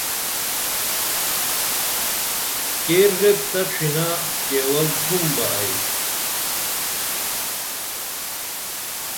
کیر ریت تہ ڇھنہ کیول تُھم بہ ائی